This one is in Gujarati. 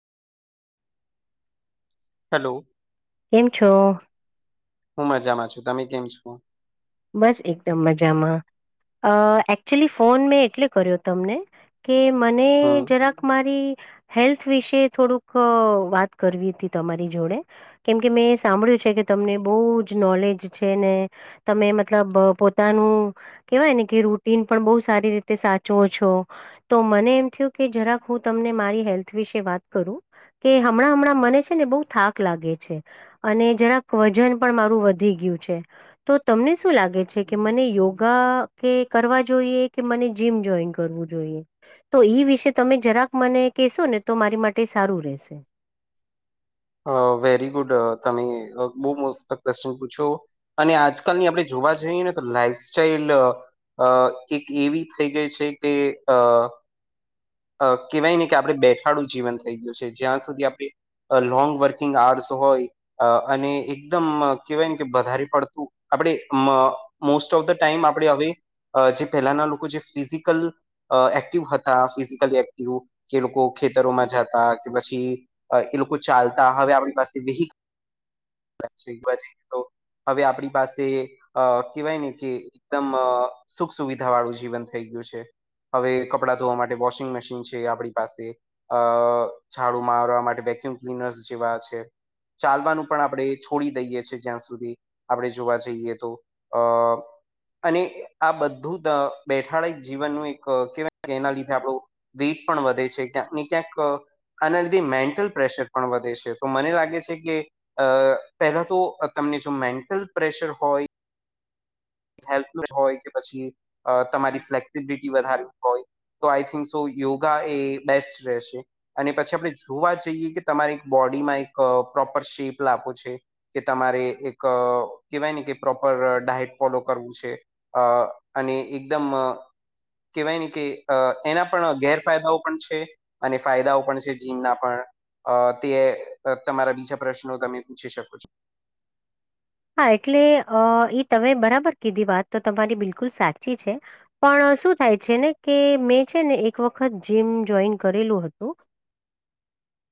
હલ્લો. એમ છો? હું મજામાં છું તમે કેમ છો? બસ એકદમ મજામાં અ એકચુલી ફોન મેં એટલે કર્યો તમને કે મને હમ જરાક મારી હેલ્થ વિશે થોડુંક વાત કરવી હતી તમારી જોડે કેમ કે મેં સાંભળ્યું છે કે તમને બહુ જ નોલેજ છે ને તમે મતલબ પોતાનું કેવાય ને કે રૂટીન પણ બહુ સારી રીતે સાચવો છો. તો મને એમ થયું કે જરાક હું તમને મારી હેલ્થ વિશે વાત કરું. કે હમણાં હમણાં મને છે ને બહુ થાક લાગે છે. અને જરાક વજન પણ મારું વધી ગયું છે. તો તમને શું લાગે છે કે મને યોગા કે કરવા જોઈએ કે મને જીમ જોઈન કરવું જોઈએ તો ઈ વિશે તમે જરાક મને કહેશો ને તો મારી માટે સારું રહેશે. અ વેરી ગુડ તમે બહુ મોસ્ત ક્વેશ્ચન પૂછો અને આજકાલની આપણે જોવા જઈએ ને તો લાઈફ સ્ટાઈલ અ એક એવી થઈ ગઈ છે કે અ અ કહેવાય નને કે આપડે બેઠાડું જીવન થઈ ગયું છે જ્યાં સુધી આપણે લોંગ વર્કિંગ આર્સ હોય અને એકદમ કેહેવાય ને કે વધારે પડતું આપણે મોસ્ટ ઓફ ધ ટાઈમ આપણે હવે જે પહેલાના લોકો જે ફિઝિકલ એક્ટિવ હતા ફીઝી વેકતીઓ કે લોકો ખેતરોમાં જતા કે પછી એ લોકો ચાલતા હવે આપણી પાસે વિહિ વાઈ તો હવે આપણી પાસે અ કેહેવાય ને કે એકદમ સુખ સુવિધા વાળું જીવન થઈ ગયું છે હવે કપડાં ધોવા માટે વો વોશિંગ મશીન છે આપણી પાસે અ ઝાડુ મારવા માટે વેક્યુમ ક્લીનર્સ જેવા છે ચાલવાનું પણ આપણે છોડી દઈએ છીએ જ્યાં સુધી આપણે જોવા જઈએ તો અ અને આ બધું જ બેઠાડ જીવનનું એક કેવાય એના લીધે આપણું વીટ પણ વધે છે ક્યાંક ને ક્યાંક આના લીધે મેન્ટલ પ્રેશર પણ વધે છે તો મને લાગે છે કે અ પહેલા તો તમને જો મેન્ટલ પ્રેશર હોય હેલ્થ હોય કે પછી તમારી ફ્લેક્સિબિલિટી વધારે હોય તો આઈ થિંક સો યોગા એ બેસ્ટ રહેશે. અને પછી આપણે જોવા જઈએ કે તમારે એક બોડીમાં એક પ્રોપર શેપ લાવો છે. કે તમારે એક કેહેવાય ને કે પ્રોપર ડાયટ ફોલો કરવું છે અ અને એકદમ અ કેવાય ને કે એના પણ ગેરફાયદાઓ પણ છે અને ફાયદાઓ પણ છે જીમના પણ અ તે તમારા બીજા પ્રશ્નો તમે પૂછી શકો છો હા એટલે અ ઈ તમે બરાબર કીધી વાત તો તમારી બિલકુલ સાચી છે પણ શું થાય છે ને કે મેં છે ને એક વખત જીમ જોઈન કરેલું હતું